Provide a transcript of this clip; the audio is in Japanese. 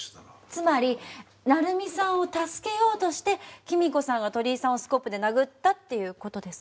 つまり成美さんを助けようとして貴美子さんが鳥居さんをスコップで殴ったっていう事ですか？